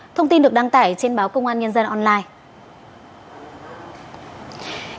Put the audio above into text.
thông tin được đăng tải trên báo công an nhân dân online